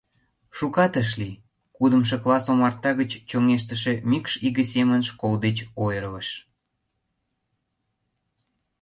Шукат ыш лий, кудымшо класс омарта гыч чоҥештыше мӱкш иге семын школ деч ойырлыш.